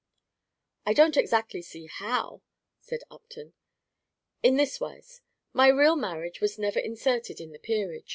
"I don't exactly see how," said Upton. "In this wise. My real marriage was never inserted in the Peerage.